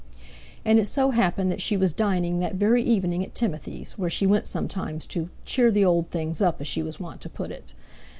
And it so happened that she was dining that very evening at Timothy's, where she went sometimes to "cheer the old things up," as she was wont to put it.